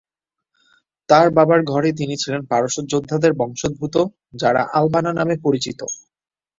তাঁর বাবার ঘরে তিনি ছিলেন পারস্য যোদ্ধাদের বংশোদ্ভূত, যারা আল-আব্না নামে পরিচিত।